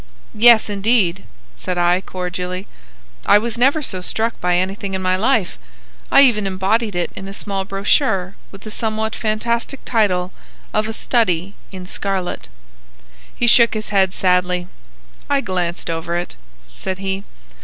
"Yes, indeed," said I, cordially. "I was never so struck by anything in my life. I even embodied it in a small brochure with the somewhat fantastic title of 'A Study in Scarlet.'" He shook his head sadly. "I glanced over it," said he.